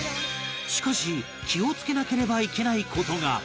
しかし気を付けなければいけない事が